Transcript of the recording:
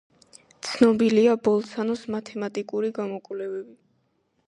ცნობილია ბოლცანოს მათემატიკური გამოკვლევები.